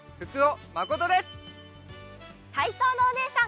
たいそうのおねえさん